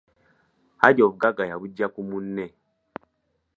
Hajji obuggaga yabugya ku munne.